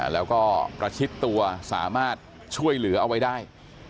แล้วก็ประชิดตัวสามารถช่วยเหลือเอาไว้ได้